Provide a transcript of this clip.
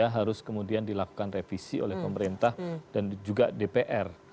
harus kemudian dilakukan revisi oleh pemerintah dan juga dpr